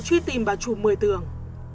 truy tìm bà trùm một mươi tường